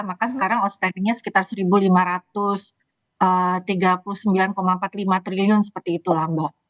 maka sekarang outstandingnya sekitar rp satu lima ratus tiga puluh sembilan empat puluh lima triliun seperti itulah mbak